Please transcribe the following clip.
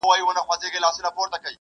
څه مطلب لري سړی نه په پوهېږي٫